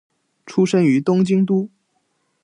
出身于东京都。